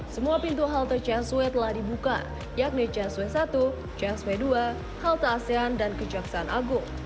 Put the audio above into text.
semua pintu halte csw telah dibuka yakni csw satu csw dua halte asean dan kejaksaan agung